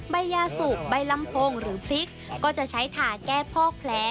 ใบยาสุกใบลำโพงหรือพริกก็จะใช้ถ่าแก้พอกแผล